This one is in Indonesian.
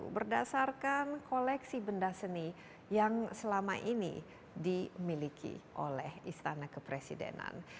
berdasarkan koleksi benda seni yang selama ini dimiliki oleh istana kepresidenan